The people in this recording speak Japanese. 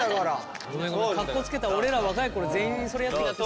かっこつけた俺ら若い頃全員それやってきてさ。